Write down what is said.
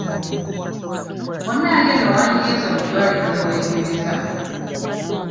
Munnange nno wandigenze mu ddwaliro ne weekebeza.